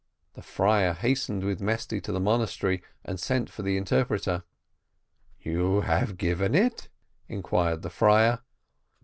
The friar hastened with Mesty to the monastery and sent for the interpreter. "You have given it?" inquired the friar.